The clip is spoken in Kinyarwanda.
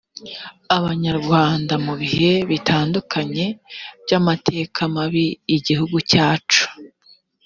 abanyarwanda mu bihe bitandukanye by amateka mabi igihugu cyacu